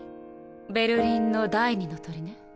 ベルリンの第二の鳥ね。